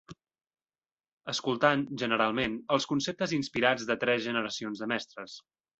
...escoltant, generalment, els conceptes inspirats de tres generacions de mestres